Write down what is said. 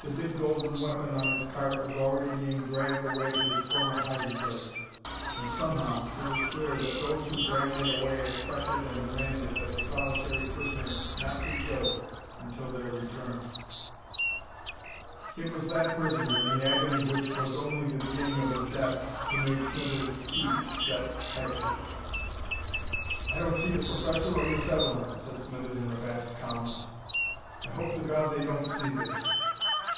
The big golden weapon on its cart was already being dragged away to its former hiding place. And somehow, it was clear that those who dragged it away expected and demanded that the solitary prisoner not be killed until their return. It was that prisoner, in the agony which was only the beginning of his death, who made Smithers' teeth set tightly. "I don't see the Professor or Miss Evelyn," said Smithers in a vast calmness. "I hope to Gawd they don't see this."